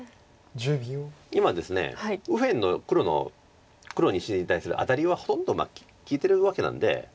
今ですね右辺の黒の石に対するアタリはほとんど利いてるわけなんで。